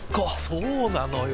そうなのよ。